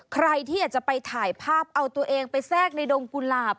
ใครที่อยากจะไปถ่ายภาพเอาตัวเองไปแทรกในดงกุหลาบ